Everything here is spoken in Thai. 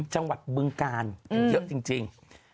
จังหวัดเบื้องการเยอะจริง